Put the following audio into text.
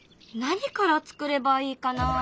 何からつくればいいかな？